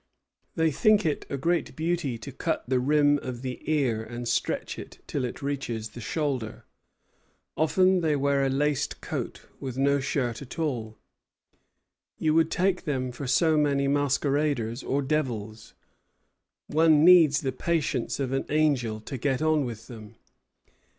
They think it a great beauty to cut the rim of the ear and stretch it till it reaches the shoulder. Often they wear a laced coat, with no shirt at all. You would take them for so many masqueraders or devils. One needs the patience of an angel to get on with them.